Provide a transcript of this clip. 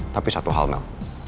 tapi satu hal mel